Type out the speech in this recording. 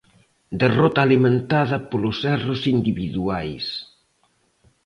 Derrota alimentada polos erros individuais.